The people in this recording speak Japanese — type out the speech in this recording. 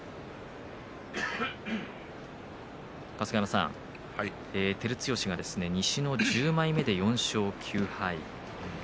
春日山さん、照強が西の１０枚目で４勝９敗。